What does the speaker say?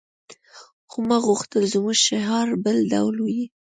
خو ما غوښتل زموږ شعار بل ډول وي